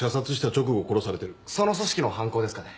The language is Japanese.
その組織の犯行ですかね？